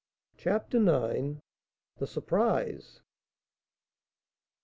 CHAPTER IX. THE SURPRISE.